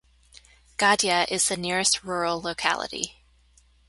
Gadya is the nearest rural locality.